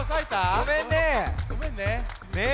ごめんね。